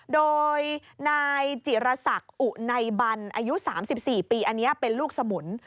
โดยนายจิรษักอุไนบันอายุ๓๔ปีอันนี้เป็นลูกสมุน